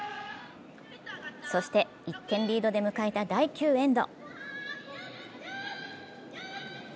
そして１点リードで迎えた第９エンド。